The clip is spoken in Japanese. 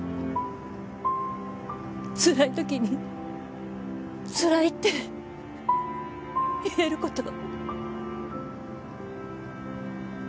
つらいときにつらいって言えること。